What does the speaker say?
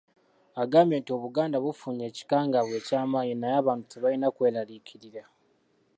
Agambye nti Obuganda bufunye ekikaangabwa ekyamanyi, naye abantu tebalina kweraliikirira.